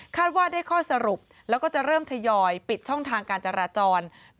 ว่าได้ข้อสรุปแล้วก็จะเริ่มทยอยปิดช่องทางการจราจร